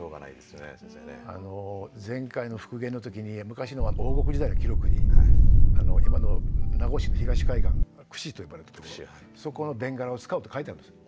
あの前回の復元の時に昔のは王国時代の記録に今の名護市の東海岸久志と呼ばれたところそこの弁柄を使うって書いてあるんですよ。